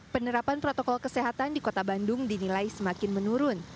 penerapan protokol kesehatan di kota bandung dinilai semakin menurun